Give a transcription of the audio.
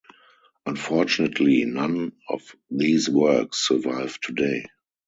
Unfortunately none of these works survive today.